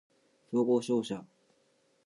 総合商社